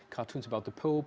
kartun tentang bapak